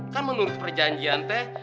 kan menurut perjanjian teh